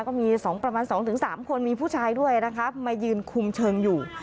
ก็มี๒ประมาณ๒๓คนมีผู้ชายด้วยนะคะมายืนคุมเชิงอยู่